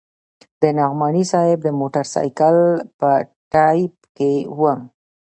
د نعماني صاحب د موټرسایکل په ټایپ کې وه.